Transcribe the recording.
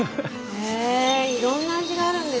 へえいろんな味があるんですね。